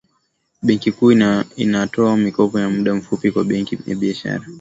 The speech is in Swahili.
benki kuu inatoa mikopo ya muda mfupi kwa benki za biashara